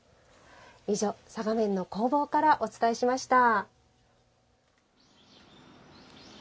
以上、嵯峨面の工房からお伝えしました。